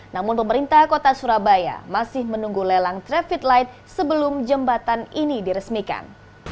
namun pemerintah kota surabaya masih menunggu lelang traffic light sebelum jembatan ini diresmikan